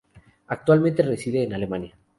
Actualmente reside en Alemania.